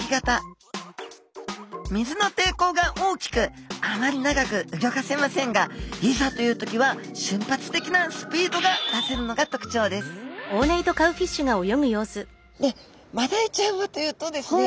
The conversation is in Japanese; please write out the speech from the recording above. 水のていこうが大きくあまり長くうギョかせませんがいざという時は瞬発的なスピードが出せるのが特徴ですマダイちゃんはというとですね